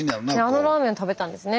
あのラーメン食べてたんですね。